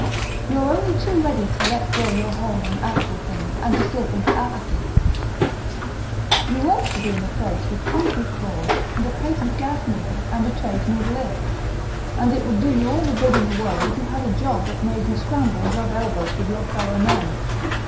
"You're only too ready to let go your hold on actual things and to slip into apathy; you ought to be in a place with concrete floors and a patent gas meter and a tradesmen's lift. And it would do you all the good in the world if you had a job that made you scramble and rub elbows with your fellow men.